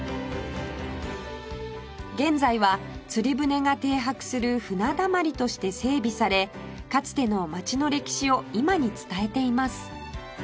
現在は釣り船が停泊する舟だまりとして整備されかつての町の歴史を今に伝えています